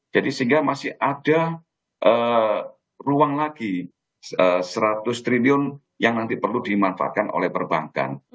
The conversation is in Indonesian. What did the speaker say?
jadi sehingga masih ada ruang lagi rp seratus triliun yang nanti perlu dimanfaatkan oleh perbankan